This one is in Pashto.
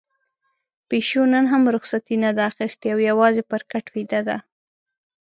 پيشو نن هم رخصتي نه ده اخیستې او يوازې پر کټ ويده ده.